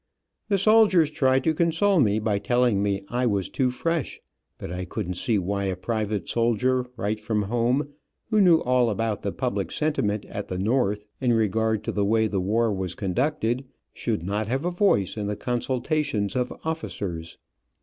The soldiers tried to console me by telling me I was too fresh, but I couldn't see why a private soldier, right from home, who knew all about the public sentiment at the north in regard to the way the war was conducted, should not have a voice in the consultations of officers.